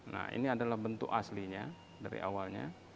nah ini adalah bentuk aslinya dari awalnya